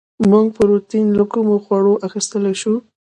موږ پروټین له کومو خوړو اخیستلی شو